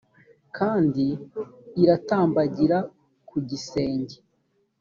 kandi iratambagira ku gisenge